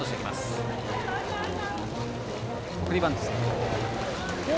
送りバント成功。